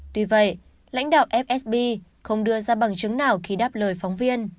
tuy vậy lãnh đạo fsb không đưa ra bằng chứng nào khi đáp lời phóng viên